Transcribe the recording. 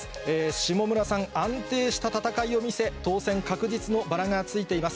下村さん、安定した戦いを見せ、当選確実のバラがついています。